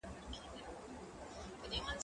زه اوږده وخت زده کړه کوم،